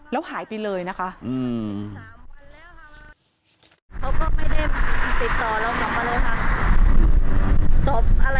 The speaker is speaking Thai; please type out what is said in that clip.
แล้วหายไปเลยนะคะ